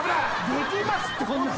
できますってこんなん。